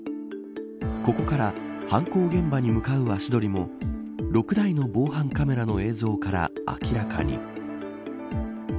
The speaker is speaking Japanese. ここから犯行現場に向かう足取りも６台の防犯カメラの映像から明らかに。